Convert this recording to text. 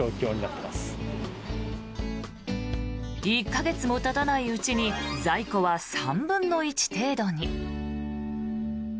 １か月もたたないうちに在庫は３分の１程度に。